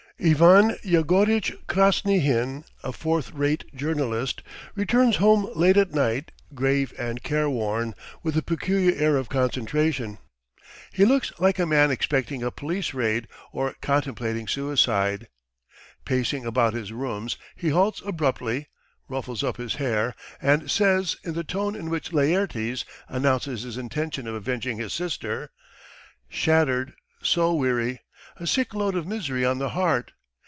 IVAN YEGORITCH KRASNYHIN, a fourth rate journalist, returns home late at night, grave and careworn, with a peculiar air of concentration. He looks like a man expecting a police raid or contemplating suicide. Pacing about his rooms he halts abruptly, ruffles up his hair, and says in the tone in which Laertes announces his intention of avenging his sister: "Shattered, soul weary, a sick load of misery on the heart